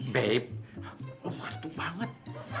babe om hartu banget